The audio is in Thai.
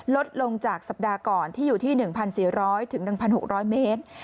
ลดลงจากสัปดาห์ก่อนที่อยู่ที่๑๔๐๐๑๖๐๐เมตร